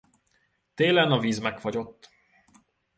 Télen a víz megfagyott.